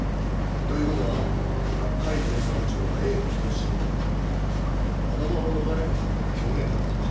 という事は甲斐巡査部長がＡを人質に取ったのはあの場を逃れるための狂言だったと考えていい。